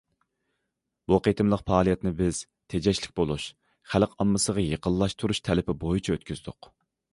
بۇ قېتىملىق پائالىيەتنى بىز تېجەشلىك بولۇش، خەلق ئاممىسىغا يېقىنلاشتۇرۇش تەلىپى بويىچە ئۆتكۈزدۇق.